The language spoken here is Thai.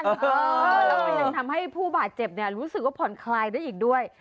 แล้วมันยังทำให้ผู้บาดเจ็บรู้สึกว่าผ่อนคลายได้อีกด้วย